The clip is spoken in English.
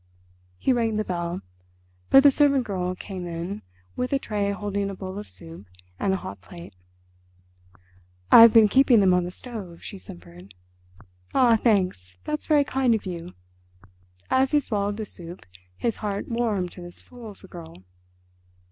He rang the bell, but the servant girl came in with a tray holding a bowl of soup and a hot plate. "I've been keeping them on the stove," she simpered. "Ah, thanks, that's very kind of you." As he swallowed the soup his heart warmed to this fool of a girl.